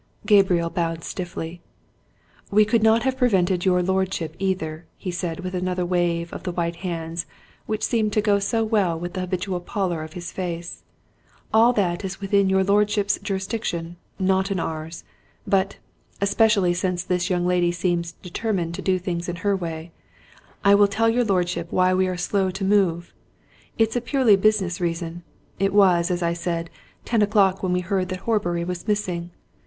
Gabriel bowed stiffly. "We could not have prevented your lordship either," he said, with another wave of the white hands which seemed to go so well with the habitual pallor of his face. "All that is within your lordship's jurisdiction not in ours. But especially since this young lady seems determined to do things in her way I will tell your lordship why we are slow to move. It is purely a business reason. It was, as I said, ten o'clock when we heard that Horbury was missing.